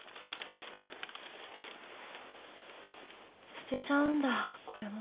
捨てちゃうんだこれも。